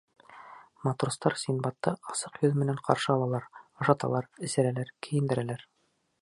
Матростар Синдбадты асыҡ йөҙ менән ҡаршы алалар, ашаталар, эсерәләр, кейендерәләр.